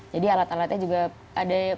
jadi alat alatnya juga ada